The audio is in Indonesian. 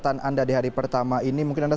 catatan anda di hari pertama ini mungkin anda